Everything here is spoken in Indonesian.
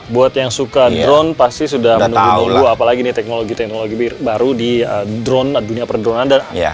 buat yang suka drone pasti sudah menunggu dua apalagi nih teknologi teknologi baru di drone dunia perdron anda